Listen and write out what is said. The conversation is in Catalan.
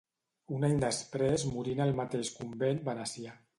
Un any després morí en el mateix convent venecià.